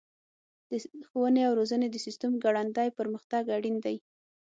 د ښوونې او روزنې د سیسټم ګړندی پرمختګ اړین دی.